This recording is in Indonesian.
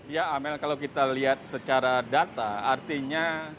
ya amel kalau kita lihat secara data artinya